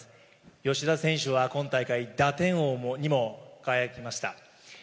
吉田選手は今大会打点王にも輝きました。